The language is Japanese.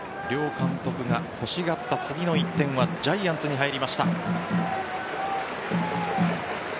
両監督が、欲しがった次の１点はジャイアンツに入りました。